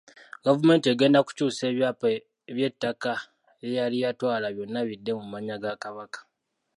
Gavumenti egenda kukyusa ebyapa by'ettaka lye yali yatwala byonna bidde mu mannya ga Kabaka.